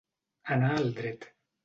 Anar al dret.